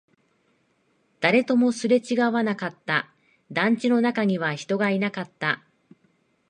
誰ともすれ違わなかった、団地の中には人がいなかった